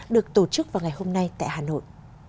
được tổ chức vào ngày hôm nay tại hà nội